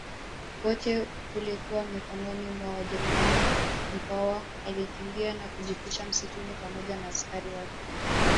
wote ulikuwa mikononi mwa wajerumani Mkwawa alikimbia na kujificha msituni pamoja na askari wake